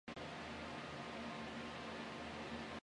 乡政府驻地在下宫村。